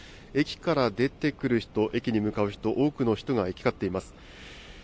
駅から出てくる人、駅に向かう人、多くの人が行き交っています。